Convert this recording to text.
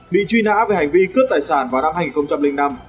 bị truy nã về hành vi cướp tài sản vào năm hai nghìn năm